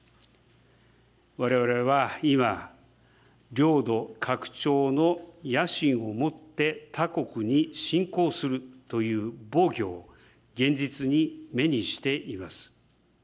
われわれは今、領土拡張の野心を持って他国に侵攻するという暴挙を現実に目にしています。